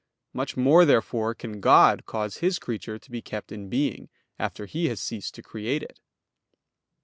Much more, therefore, can God cause His creature to be kept in being, after He has ceased to create it.